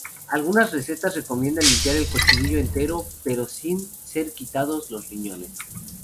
Algunas recetas recomiendan limpiar el cochinillo entero, pero sin ser quitados los riñones.